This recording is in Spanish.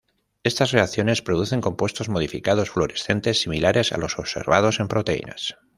Estas reacciones producen compuestos modificados, fluorescentes, similares a los observados en proteínas.